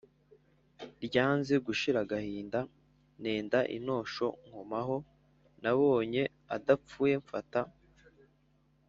ryanze gushira agahinda nenda intosho nkomaho: nabonye adapfuye mfata